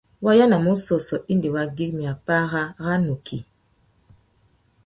Wá yānamú ussôssô indi wa güirimiya párá râ nukí.